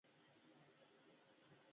زمری څنګه ښکار کوي؟